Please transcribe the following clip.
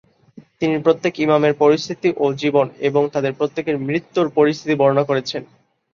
তিনি প্রত্যেক ইমামের পরিস্থিতি ও জীবন এবং তাদের প্রত্যেকের মৃত্যুর পরিস্থিতি বর্ণনা করছেন।